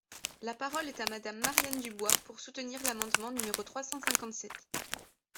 La parole est à Madame Marianne Dubois, pour soutenir l’amendement numéro trois cent cinquante-sept.